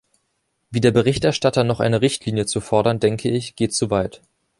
Wie der Berichterstatter noch eine Richtlinie zu fordern, denke ich, geht zu weit.